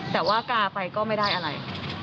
แต่ว่ากาไปก็ไม่ได้อะไร